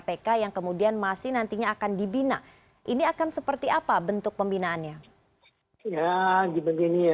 sekarang aja sudah ada ajak perlindungan ham